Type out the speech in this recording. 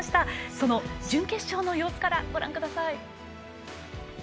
その準決勝の様子からご覧ください。